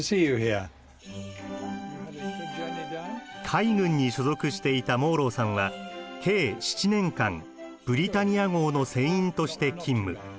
海軍に所属していたモーロウさんは計７年間ブリタニア号の船員として勤務。